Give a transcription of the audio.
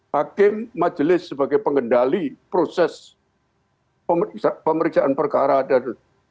hakim majelis sebagai pengendali proses pemeriksaan perkara dan